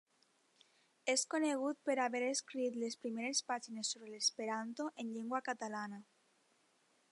És conegut per haver escrit les primeres pàgines sobre l'esperanto en llengua catalana.